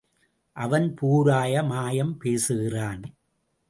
அவன் பூராய மாயம் பேசுகிறான்.